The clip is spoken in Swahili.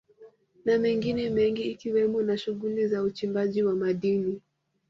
Na mengine mengi ikiwemo na shughuli za uchimbaji wa madini